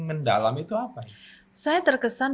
mendalam itu apa saya terkesan